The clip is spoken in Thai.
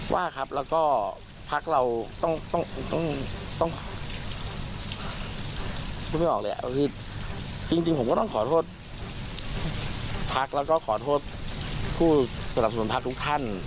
ผู้สรรพสำนวนพักษณ์ทุกท่าน